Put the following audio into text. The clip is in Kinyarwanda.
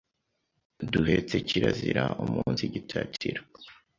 duhetse kirazira umunsigitatira;